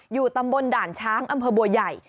อยู่ตำบลด่านช้างอำเภอบัวใหญ่